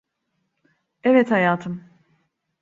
Evet hayatım.